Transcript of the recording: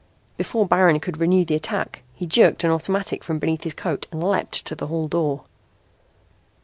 Before Baron could renew the attack he jerked an automatic from beneath his coat and leaped to the hall door.